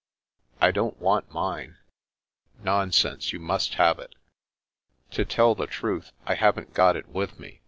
I don't want mine." " Nonsense ; you must have it." " To tell the truth, I haven't got it with me.